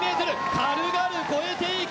軽々越えていく。